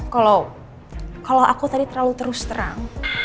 kalau aku tadi terlalu terus terang